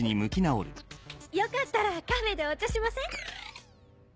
よかったらカフェでお茶しません？